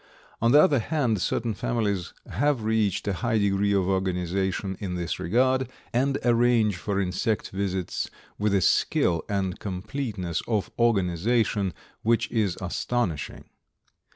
On the other hand, certain families have reached a high degree of organization in this regard, and arrange for insect visits with a skill and completeness of organization which is astonishing.